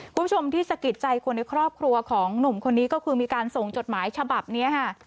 คุณผู้ชมที่สะกิดใจคนในครอบครัวของหนุ่มคนนี้ก็คือมีการส่งจดหมายฉบับนี้ค่ะ